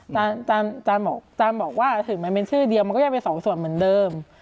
อาจารย์บอกตานบอกว่าถึงมันเป็นชื่อเดียวมันก็ยังเป็นสองส่วนเหมือนเดิม